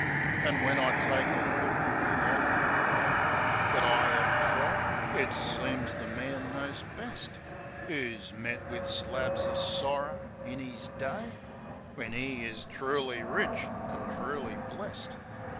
An' when I take a look along the way That I 'ave trod, it seems the man knows best, Who's met wiv slabs of sorrer in 'is day, When 'e is truly rich an' truly blest.